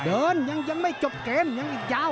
ยังยังไม่จบเกมยังอีกยาว